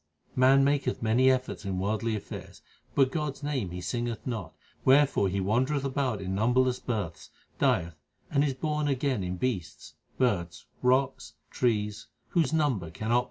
Man maketh many efforts in worldly affairs, but God s name he singeth not ; Wherefore he wandereth about in numberless births, dieth, and is born again In beasts, birds, rocks, trees, whose number cannot be told.